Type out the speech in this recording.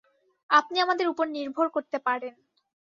আপনি আমাদের উপর নির্ভর করতে পারেন।